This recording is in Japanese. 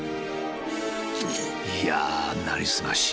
いやあなりすまし